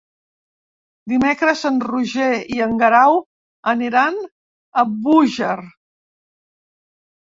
Dimecres en Roger i en Guerau aniran a Búger.